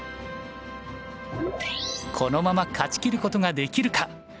このまま勝ち切ることができるか？